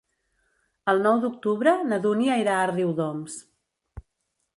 El nou d'octubre na Dúnia irà a Riudoms.